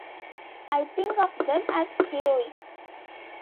I think of them as heroic.